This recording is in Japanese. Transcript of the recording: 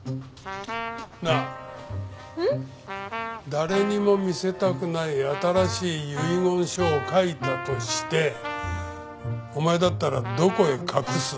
誰にも見せたくない新しい遺言書を書いたとしてお前だったらどこへ隠す？